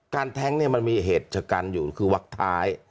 แท้งเนี่ยมันมีเหตุชะกันอยู่คือวักท้าย